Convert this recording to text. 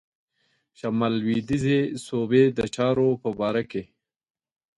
شمال لوېدیځي صوبې د چارو په باره کې.